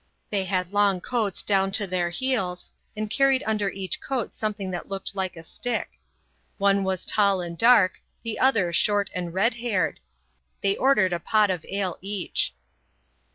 They had long coats down to their heels, and carried under each coat something that looked like a stick. One was tall and dark, the other short and red haired. They ordered a pot of ale each.